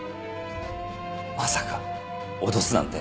まさか脅すなんて。